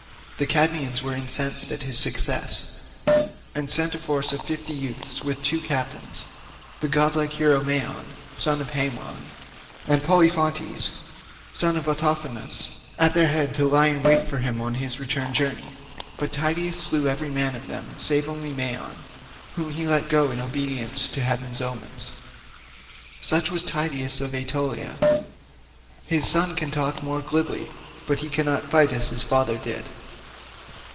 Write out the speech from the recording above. The Cadmeans were incensed at his success, and set a force of fifty youths with two captains—the godlike hero Maeon, son of Haemon, and Polyphontes, son of Autophonus—at their head, to lie in wait for him on his return journey; but Tydeus slew every man of them, save only Maeon, whom he let go in obedience to heaven's omens. Such was Tydeus of Aetolia. His son can talk more glibly, but he cannot fight as his father did."